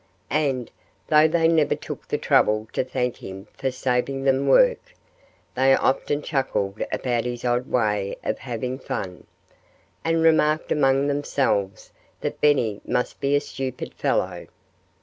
And, though they never took the trouble to thank him for saving them work, they often chuckled about his odd way of having fun, and remarked among themselves that Benny must be a stupid fellow.